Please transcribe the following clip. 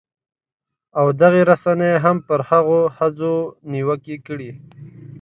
او دغې رسنۍ هم پر هغو ښځو نیوکې کړې